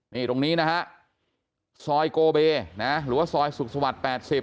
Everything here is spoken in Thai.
นี่ตรงนี้นะฮะซอยโกเบนะหรือว่าซอยสุขสวรรค์๘๐